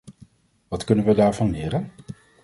Wat kunnen we daarvan leren?